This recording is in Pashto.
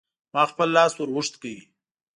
ما خپل لاس ور اوږد کړ.